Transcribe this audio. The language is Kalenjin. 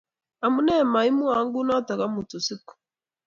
Amune maimwon kunotok amut usiku?